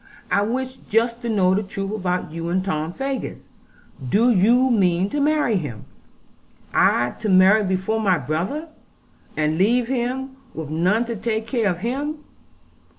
I wish just to know the truth about you and Tom Faggus. Do you mean to marry him?' 'I to marry before my brother, and leave him with none to take care of him!